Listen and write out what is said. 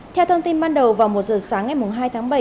theo thông tin ban đầu vào một giờ sáng ngày hai tháng bảy